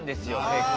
結構。